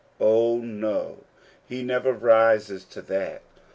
Oh no, he never rises to that.